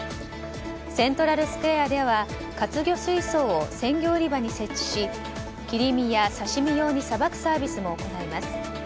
セントラルスクエアでは活魚水槽を鮮魚売り場に設置し切り身や刺し身用にさばくサービスも行います。